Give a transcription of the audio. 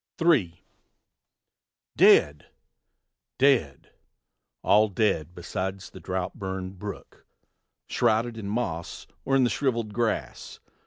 III. Dead! dead! all dead besides the drouth burnt brook, Shrouded in moss or in the shriveled grass.